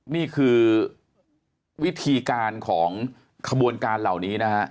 นี่คือวิธีการของขบวนการเหล่านี้นะฮะ